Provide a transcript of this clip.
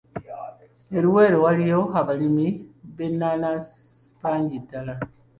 E Luweero waliyo abalimi b’ennaanansi bangi ddala.